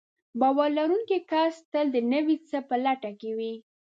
باور لرونکی کس تل د نوي څه په لټه کې وي.